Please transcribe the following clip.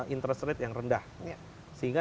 interest rate yang rendah sehingga